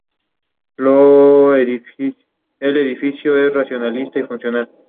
World Wide Web electronic publication.